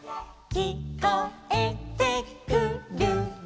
「きこえてくるよ」